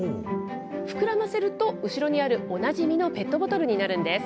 膨らませると、後ろにあるおなじみのペットボトルになるんです。